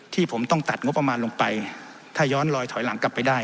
ที่ผมต้องตัดงบประมาณลงไปถ้าย้อนลอยถอยหลังกลับไปได้